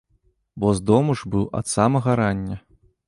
Бо з дому ж быў ад самага рання.